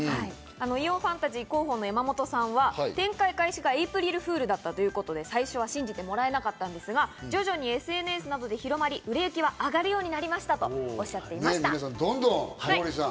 イオンファンタジー広報の山本さんは展開開始がエープリルフールだったということで、最初は信じてもらえなかったんですが、徐々にＳＮＳなどで広まり、売れ行きは上がるようになりましたとおっしゃっていました。